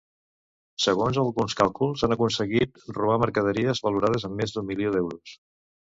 Segons alguns càlculs, han aconseguit robar mercaderies valorades en més d'un milió d'euros.